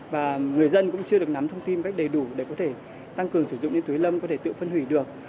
và người dân cũng chưa được nắm thông tin cách đầy đủ để có thể tăng cường sử dụng những túi lông có thể tự phân hủy được